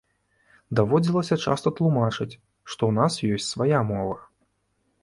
Даводзілася часта тлумачыць, што ў нас ёсць свая мова.